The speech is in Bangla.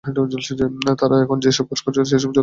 তারা এখন যে-সব কাজ করছে, সে-সব যন্ত্রের দ্বারা হবে।